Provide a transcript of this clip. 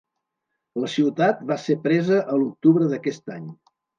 La ciutat va ser presa a l'octubre d'aquest any.